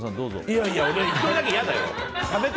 いやいや、１人だけ嫌だよ。